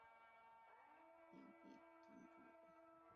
周瑜则分公安给刘备屯驻。